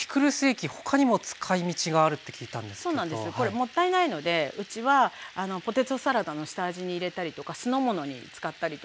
これもったいないのでうちはポテトサラダの下味に入れたりとか酢の物に使ったりとか。